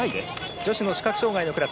女子の視覚障がいのクラス。